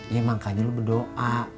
ya makanya lu berdoa